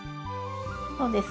そうですね。